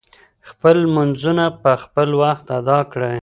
خپل لمونځونه په خپل وخت ادا کړئ.